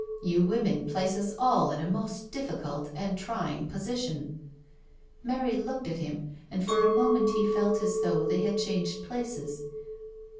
You women place us all in a most diffi cult and trying position." Mary looked at him, and for a moment he felt as though they had changed places.